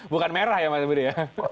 bukan merah ya mas budi ya